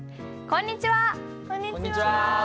こんにちは！